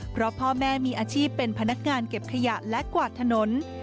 เพราะพ่อแม่มีอาชีพเป็นพนักงานเก็บขยะและกวาดถนน